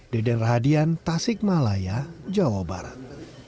deden radian tasik malaya jawa barat